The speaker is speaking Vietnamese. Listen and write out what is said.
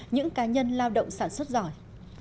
những cá nhân lao động sản xuất giỏi